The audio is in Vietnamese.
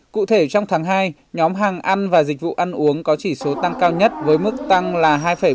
cụ thể trong tháng hai nhóm hàng ăn và dịch vụ ăn uống có chỉ số tăng cao nhất với mức tăng là hai bảy